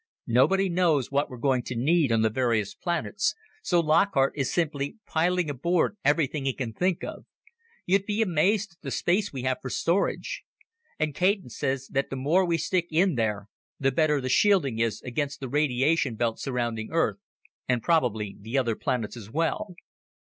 "Nobody knows what we're going to need on the various planets, so Lockhart is simply piling aboard everything he can think of. You'd be amazed at the space we have for storage. And Caton says that the more we stick in there, the better the shielding is against the radiation belt surrounding Earth and probably the other planets as well."